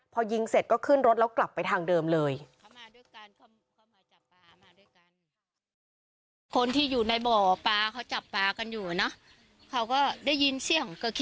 พอยิงเสร็จก็ขึ้นรถแล้วกลับไปทางเดิมเลย